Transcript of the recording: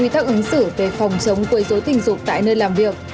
trận ứng xử về phòng chống quây dối tình dụng tại nơi làm việc